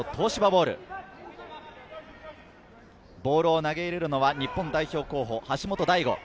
ボールを投げ入れるのは日本代表候補、橋本大吾。